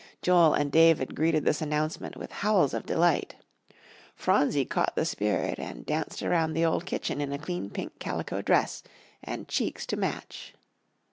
Joel and David greeted this announcement with howls of delight. Phronsie caught the spirit and danced around the old kitchen in a clean pink calico dress, and cheeks to match.